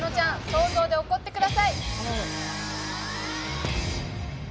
想像で怒ってください！